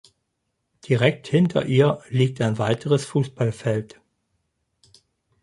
Direkt hinter ihr liegt ein weiteres Fußballfeld.